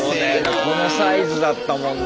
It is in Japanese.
このサイズだったもんな。